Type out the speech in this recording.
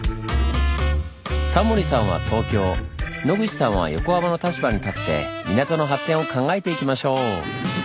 タモリさんは東京野口さんは横浜の立場に立って港の発展を考えていきましょう！